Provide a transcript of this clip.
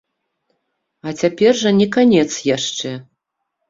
А цяпер жа не канец яшчэ.